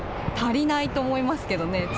足りないと思いますけどね。